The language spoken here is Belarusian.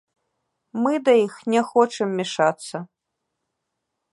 Мы да іх не хочам мяшацца.